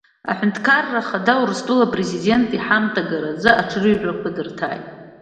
Аҳәынҭқарра Ахада Урыстәыла Апрезидент иҳамҭа агаразы аҽырыҩрақәа дырҭааит.